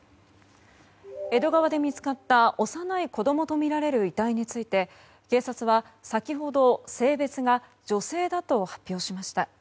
江戸川で見つかった幼い子供とみられる遺体について警察は先ほど性別が女性だと発表しました。